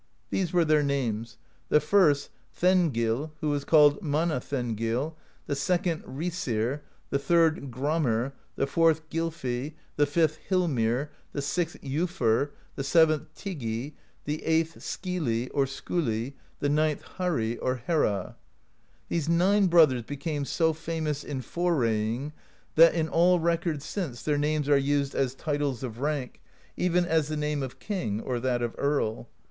These were their names : the first, Thengill,^ who was called Manna Thengill; ^ the second, Raesir;^ the third, Gramr;^ the fourth, Gylfi;^ the fifth, Hilmir ;^ the sixth, Jofurr ;^ the seventh, Tyggi ;^ the eighth, Skyli ^ or Skuli; ^ the ninth, Harri ^ or Herra.^ These nine brothers became so famous in foraying that, in all records since, their names are used as titles of rank, even as the name of King or that of Earl.